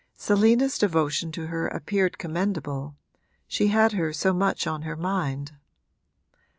Selina's devotion to her appeared commendable she had her so much on her mind.